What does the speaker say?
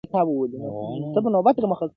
د قدرت گيند چي به خوشي پر ميدان سو؛